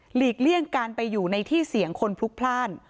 ลีกเลี่ยงการไปอยู่ในที่เสี่ยงคนพลุกพลาด